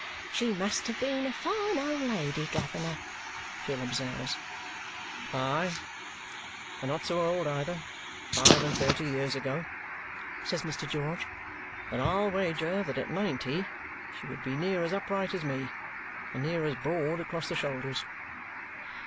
"She must have been a fine old lady, guv'ner," Phil observes. "Aye! And not so old either, five and thirty years ago," says Mr. George. "But I'll wager that at ninety she would be near as upright as me, and near as broad across the shoulders."